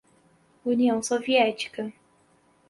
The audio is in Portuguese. União Soviética